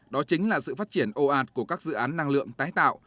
đó chính là sự phát triển ồ ạt của các dự án năng lượng tái tạo